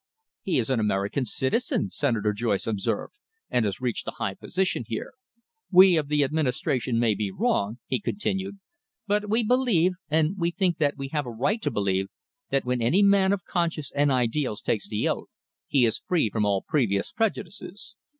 "He is an American citizen," Senator Joyce observed, "and has reached a high position here. We of the Administration may be wrong," he continued, "but we believe, and we think that we have a right to believe, that when any man of conscience and ideals takes the oath, he is free from all previous prejudices.